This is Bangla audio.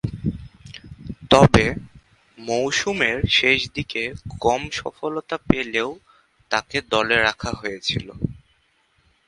তবে, মৌসুমের শেষদিকে কম সফলতা পেলেও তাকে দলে রাখা হয়েছিল।